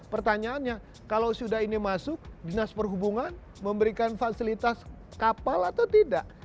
pertanyaannya kalau sudah ini masuk dinas perhubungan memberikan fasilitas kapal atau tidak